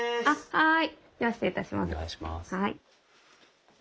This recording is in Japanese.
はい。